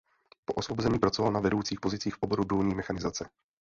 Po osvobození pracoval na vedoucích pozicích v oboru důlní mechanizace.